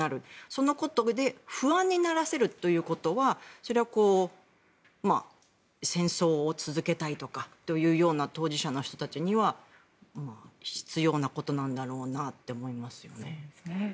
そのことで不安にならせるということはそれは戦争を続けたいという当事者の人たちには必要なことなんだろうなと思いますね。